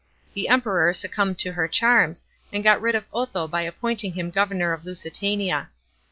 Tl e Emperor suc cumbed to her charms, and got rid of Otho by appointing him governor of Lusitania.